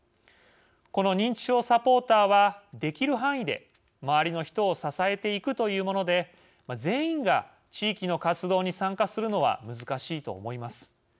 この認知症サポーターはできる範囲で周りの人を支えていくというもので全員が地域の活動に参加するのは難しいと思います。